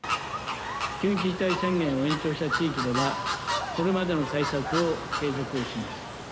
緊急事態宣言を延長した地域ではこれまでの対策を継続をします。